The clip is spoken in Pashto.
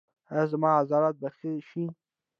ایا زما عضلات به ښه شي؟